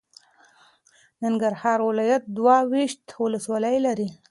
ننګرهار ولایت دوه ویشت ولسوالۍ لري.